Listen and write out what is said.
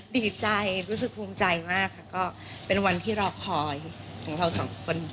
ดีใจรู้สึกภูมิใจมากค่ะก็เป็นวันที่รอคอยของเราสองคน